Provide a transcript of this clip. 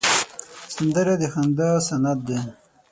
سندره د خندا سند دی